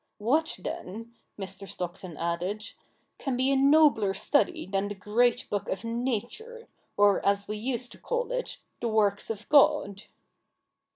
What then,' Mr. Stockton added, ' can be a nobler study than the great book of Nature, or, as we used to call it, the works of God